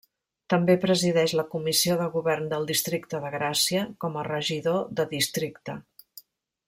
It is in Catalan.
També presideix la Comissió de Govern del districte de Gràcia com a Regidor de Districte.